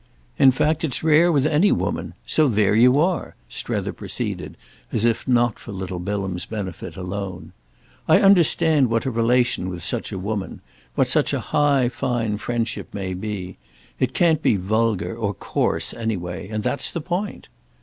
In fact it's rare with any woman. So there you are," Strether proceeded as if not for little Bilham's benefit alone. "I understand what a relation with such a woman—what such a high fine friendship—may be. It can't be vulgar or coarse, anyway—and that's the point."